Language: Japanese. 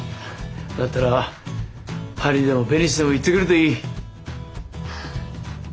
だったらパリでもベニスでも行ってくるといい。